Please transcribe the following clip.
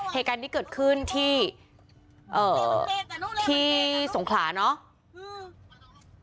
เหตุการณ์นี้เกิดขึ้นที่สงขลาเนาะ